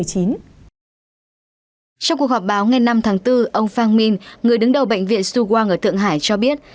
trong cuộc họp báo ngày năm tháng bốn ông fang minh người đứng đầu bệnh viện su wang ở thượng hải cho biết